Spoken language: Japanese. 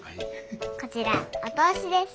こちらお通しです。